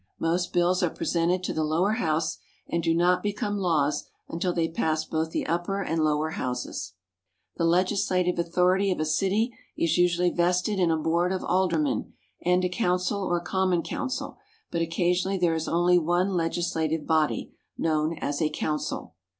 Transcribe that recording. Most bills are presented to the Lower House, and do not become laws until they pass both the Upper and Lower Houses. The Legislative authority of a city is usually vested in a board of Aldermen and a Council or Common Council, but occasionally there is only one legislative body, known as a Council.